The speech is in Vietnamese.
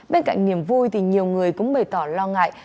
bên cạnh niềm vui thì nhiều người cũng bày tỏ lo ngại